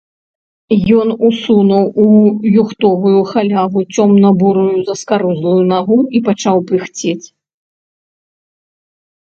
Ён усунуў у юхтовую халяву цёмна-бурую заскарузлую нагу і пачаў пыхцець.